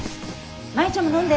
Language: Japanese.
舞ちゃんも飲んで。